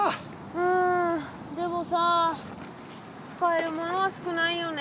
うんでもさ使えるものは少ないよね。